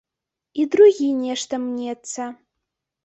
І другі нешта мнецца.